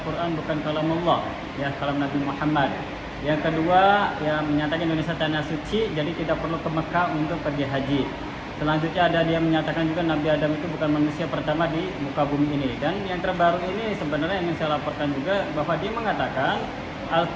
ruslan mengatakan penistaan al quran bukan wahyu allah tapi dari nabi muhammad